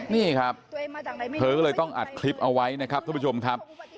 นี่ครับเธอก็เลยต้องอัดคลิปเอาไว้นะครับทุกผู้ชมครับ